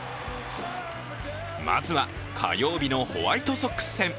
まずは、火曜日のホワイトソックス戦。